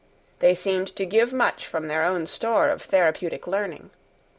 They seemed to give much from their own store of therapeutic learning.